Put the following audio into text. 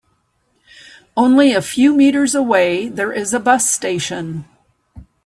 Only a few meters away there is a bus station.